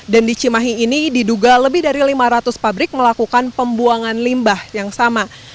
dan di cimahi ini diduga lebih dari lima ratus pabrik melakukan pembuangan limbah yang sama